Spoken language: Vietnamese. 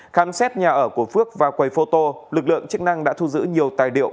khám xét nhà ở của phước và quầy photo lực lượng chức năng đã thu giữ nhiều tài điệu